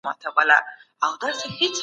هيڅوک يوازي ژوند نه سي کولای.